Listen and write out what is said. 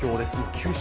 九州